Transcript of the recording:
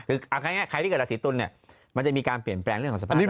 คือเอาง่ายใครที่เกิดราศีตุลเนี่ยมันจะมีการเปลี่ยนแปลงเรื่องของสภาพ